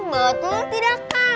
betul tidak kak